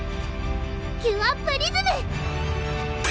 キュアプリズム！